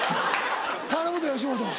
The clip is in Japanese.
頼むぞ吉本。